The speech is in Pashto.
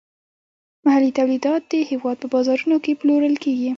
محلي تولیدات د هیواد په بازارونو کې پلورل کیږي.